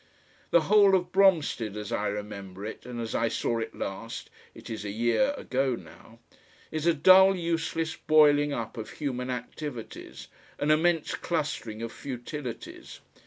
The whole of Bromstead as I remember it, and as I saw it last it is a year ago now is a dull useless boiling up of human activities, an immense clustering of futilities.